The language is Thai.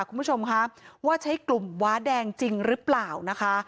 คุณผู้ชมคะว่าใช้กลุ่มว้าแดงจริงหรือเปล่านะคะ